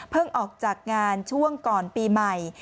ออกจากงานช่วงก่อนปีใหม่